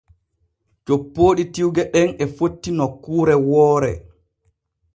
Coppooɗi tiwge ɗen e fotti nokkuure woore.